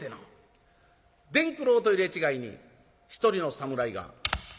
伝九郎と入れ違いに一人の侍が。